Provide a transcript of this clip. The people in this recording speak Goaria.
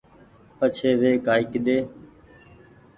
پڇي وي ڪآئي ڪيۮي